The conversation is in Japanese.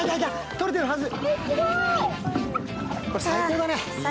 撮れてるはず。